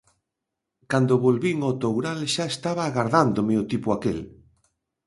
Cando volvín ó Toural, xa estaba agardándome o tipo aquel.